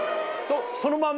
そのまんま？